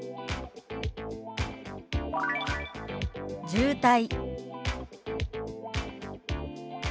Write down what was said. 「渋滞」。